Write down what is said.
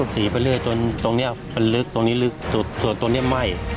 สีไว้เรื่อยจนตรงเนี้ยเป็นลึกตรงนี้ลึกส่วนตัวเนี้ยไหม้